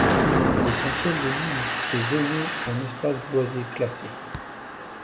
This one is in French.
L'essentiel de l’île est zoné en espace boisé classé.